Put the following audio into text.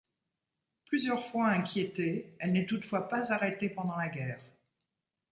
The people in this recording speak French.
Plusieurs fois inquiétée, elle n'est toutefois pas arrêtée pendant la guerre.